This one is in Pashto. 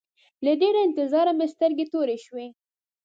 له ډېره انتظاره مې سترګې تورې شوې.